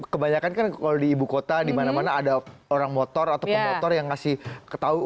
kebanyakan kan kalau di ibu kota dimana mana ada orang motor atau pemotor yang ngasih ketahuan